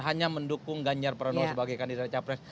hanya mendukung ganjar pranowo sebagai kandidat capres